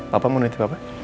bapak mau nanti bapak